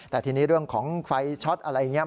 แต่ทีนี้เรื่องของไฟช็อตอะไรอย่างนี้